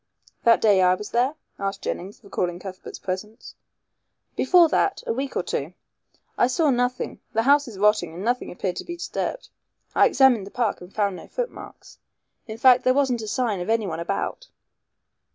"That day I was there?" asked Jennings, recalling Cuthbert's presence. "Before that a week or two. I saw nothing. The house is rotting and nothing appeared to be disturbed. I examined the park and found no footmarks. In fact, there wasn't a sign of anyone about."